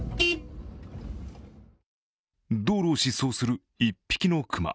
道路を疾走する、１匹の熊。